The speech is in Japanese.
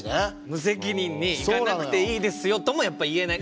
無責任に「行かなくていいですよ」ともやっぱ言えない。